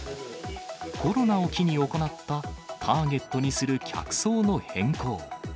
コロナを機に行ったターゲットにする客層の変更。